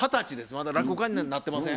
まだ落語家になってません。